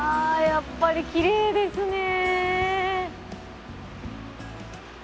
やっぱりきれいですね。